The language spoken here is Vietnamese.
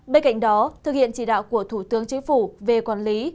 bên cạnh đó thực hiện chỉ đạo của thủ tướng chính phủ về quản lý